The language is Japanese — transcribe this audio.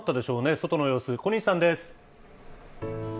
外の様子、小西さんです。